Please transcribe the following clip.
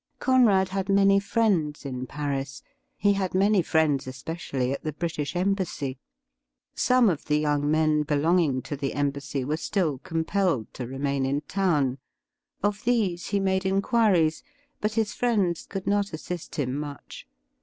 Conrad had many friends in Paris ; he had many friends especially at the British Embassy. Some of the young men belonging to the Embassy were still compelled to remain in town. Of these he made inquiries, but his friends could not assist him much.